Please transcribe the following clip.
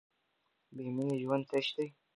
بې مینې ژوند تش دی.